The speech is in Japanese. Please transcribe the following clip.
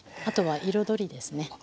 あとは彩りですね。